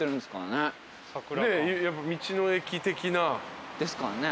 ねっやっぱ道の駅的な。ですかね？